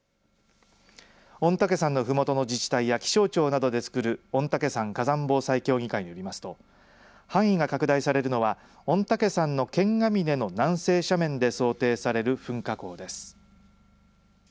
御嶽山のふもとの自治体や気象庁などで作る御嶽山火山防災協議会によりますと範囲が拡大されるのは御嶽山の剣ヶ峰の南西斜面で想定される噴火口です。